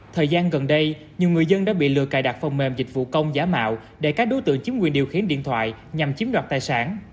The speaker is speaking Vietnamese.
thời gian gần đây nhiều người dân đã bị lừa cài đặt phần mềm dịch vụ công giả mạo để các đối tượng chiếm quyền điều khiển điện thoại nhằm chiếm đoạt tài sản